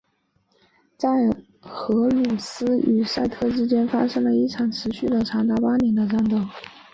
在荷鲁斯与赛特之间发生了一场持续了长达八十年的战斗。